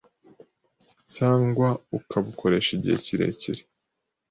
cyangwa ukabukoresha igihe kirekire